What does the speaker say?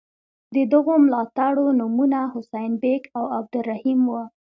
د دغو ملاتړو نومونه حسین بېګ او عبدالرحیم وو.